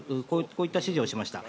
こういった指示をしました。